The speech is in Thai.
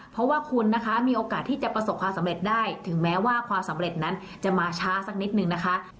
เพราะว่าคุณนะคะมีโอกาสที่จะประสบความสำเร็จได้ถึงแม้ว่าความสำเร็จนั้นจะมาช้าสักนิดนึงนะคะ